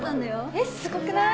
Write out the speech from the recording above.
えっすごくない？